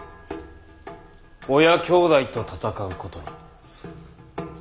親兄弟と戦うことに。